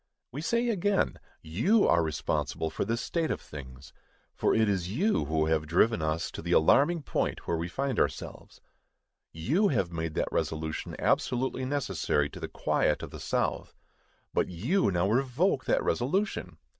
We say again, you are responsible for this state of things; for it is you who have driven us to the alarming point where we find ourselves. You have made that resolution absolutely necessary to the quiet of the South! But you now revoke that resolution!